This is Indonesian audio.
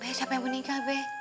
be siapa yang menikah be